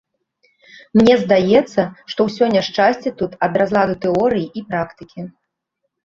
Мне здаецца, што ўсё няшчасце тут ад разладу тэорыі і практыкі.